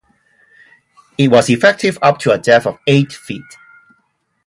It was effective up to a depth of eight feet.